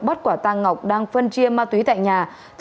bắt quả tăng ngọc đang phân triêm ma túy tại nhà